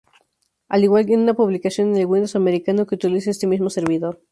Al igual en una publicación en el Windows americano que utiliza este mismo servidor.